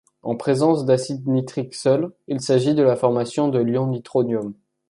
En présence d'acide nitrique seul, il s'agit de la formation de l'ion nitronium.